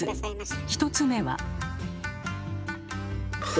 １つ目は？